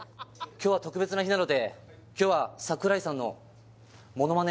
今日は特別な日なので今日は櫻井さんのモノマネ